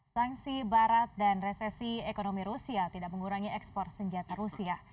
sanksi barat dan resesi ekonomi rusia tidak mengurangi ekspor senjata rusia